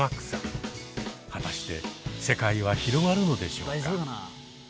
果たして世界は広がるのでしょうか？